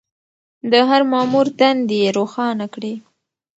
د هر مامور دندې يې روښانه کړې.